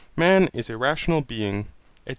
Man is a rational being, etc.'